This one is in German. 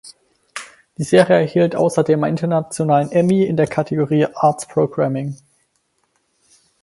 Die Serie erhielt außerdem einen International Emmy in der Kategorie Arts Programming.